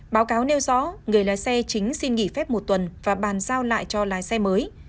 báo cáo nêu rõ người lái xe chính xin nghỉ phép một tuần và bàn giao lại cho lái xe mới